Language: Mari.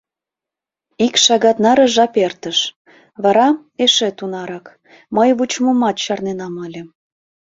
Ик шагат наре жап эртыш, вара — эше тунарак, мый вучымымат чарненам ыле.